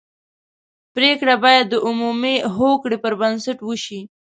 پرېکړه باید د عمومي هوکړې پر بنسټ وشي.